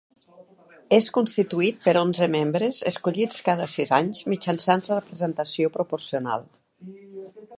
És constituït per onze membres, escollits cada sis anys mitjançant representació proporcional.